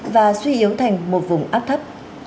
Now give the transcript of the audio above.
và suy yếu thành một vùng áp thấp